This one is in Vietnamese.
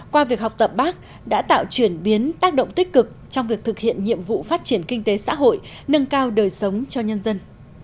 qua việc học tập bác đã tạo chuyển biến tác động tích cực trong việc thực hiện nhiệm vụ phát triển kinh tế xã hội nâng cao đời sống cho nhân dân